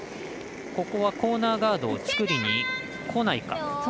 コーナーガードを作りにこないか。